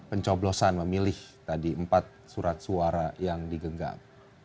pencoblosan memilih tadi empat surat suara yang digenggam